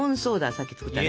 さっき作ったね。